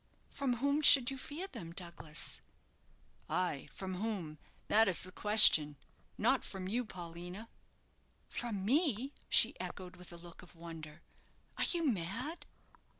"From whom should you fear them, Douglas!" "Aye, from whom, that is the question! Not from you, Paulina?" "From me!" she echoed, with a look of wonder. "Are you mad?"